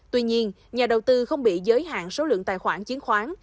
tuy nhiên nhà đầu tư không bị giới hạn số lượng tài khoản chứng khoán